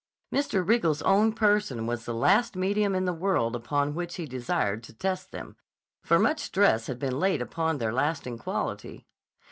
Mr. Riegel's own person was the last medium in the world upon which he desired to test them, for much stress had been laid upon their lasting quality.